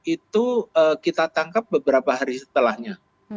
itu kita tangkap beberapa hari setelahnya